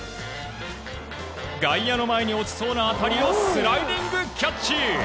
外野の前に落ちそうな当たりをスライディングキャッチ！